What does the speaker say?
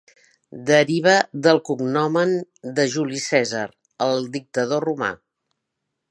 Deriva del "cognomen" de Juli Cèsar, el dictador romà.